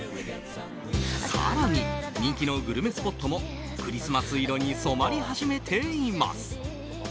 更に、人気のグルメスポットもクリスマス色に染まり始めています。